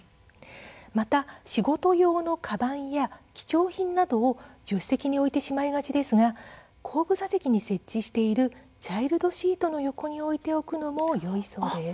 また仕事用のかばんや貴重品などを助手席に置いてしまいがちですが後部座席に設置しているチャイルドシートの横に置いておくのもよいそうです。